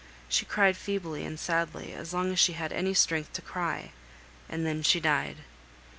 She cried feebly and sadly as long as she had any strength to cry, and then she died.